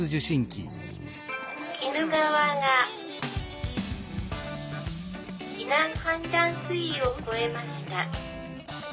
「鬼怒川が避難判断水位を超えました」。